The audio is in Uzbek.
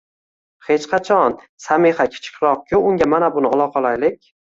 hech qachon «Samiha kichikroq-ku, unga mana buni olaqolaylik»